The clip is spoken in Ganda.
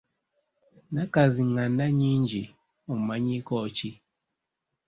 Nakkazingandannyingi omumanyiiko ki?